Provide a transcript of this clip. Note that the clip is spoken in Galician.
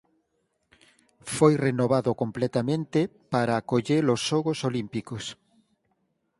Foi renovado completamente para acoller os Xogos Olímpicos.